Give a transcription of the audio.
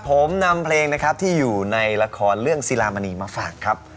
ผมนำเพลงนะครับที่อยู่ในละครเรื่องศิลามณีมาฝากครับ